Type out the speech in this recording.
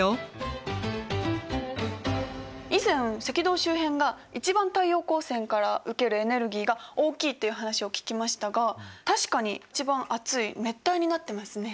以前赤道周辺が一番太陽光線から受けるエネルギーが大きいという話を聞きましたが確かに一番暑い熱帯になってますね。